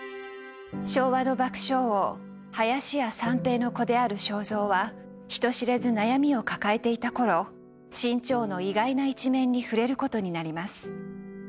昭和の爆笑王林家三平の子である正蔵は人知れず悩みを抱えていた頃志ん朝の意外な一面に触れることになります。